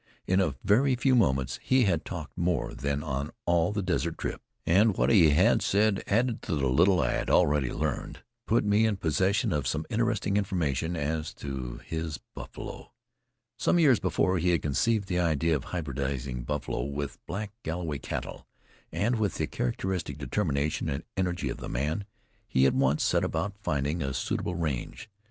In a very few moments he had talked more than on all the desert trip, and what he said, added to the little I had already learned, put me in possession of some interesting information as to his buffalo. Some years before he had conceived the idea of hybridizing buffalo with black Galloway cattle; and with the characteristic determination and energy of the man, he at once set about finding a suitable range.